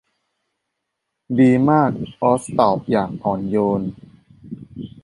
ดีมากออซตอบอย่างอ่อนโยน